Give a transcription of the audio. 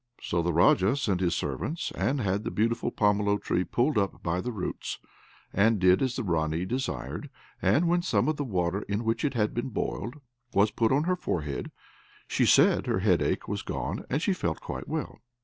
So the Raja sent his servants, and had the beautiful pomelo tree pulled up by the roots, and did as the Ranee desired; and when some of the water, in which it had been boiled, was put on her forehead, she said her headache was gone and she felt quite well.